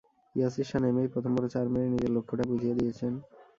ইয়াসির শাহ নেমেই প্রথম বলে চার মেরে নিজের লক্ষ্যটা বুঝিয়ে দিয়েছেন।